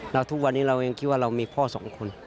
แล้วทุกวันนี้เรายังคิดว่าเรามีพ่อสองคน